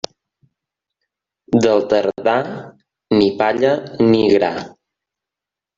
Del tardà, ni palla ni gra.